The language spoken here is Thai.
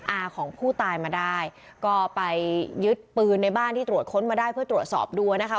อาของผู้ตายมาได้ก็ไปยึดปืนในบ้านที่ตรวจค้นมาได้เพื่อตรวจสอบดูนะคะ